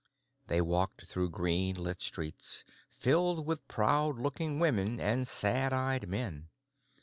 They walked through green lit streets, filled with proud looking women and sad eyed men.